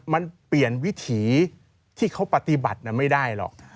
มันเปลี่ยนวิถีที่เขาปฏิบัติไม่ได้หรอก